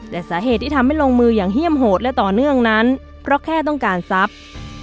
แต่สาเหตุที่ทำให้ลงมืออย่างเฮี่ยมโหดและต่อเนื่องนั้นเพราะแค่ต้องการทรัพย์